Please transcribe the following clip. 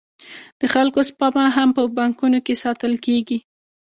د خلکو سپما هم په بانکونو کې ساتل کېږي